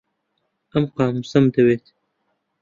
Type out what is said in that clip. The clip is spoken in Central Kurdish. ئەم قامووسەم دەوێت.